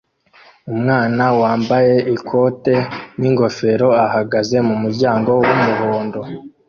Umwana wambaye ikote n'ingofero ahagaze mumuryango wumuhondo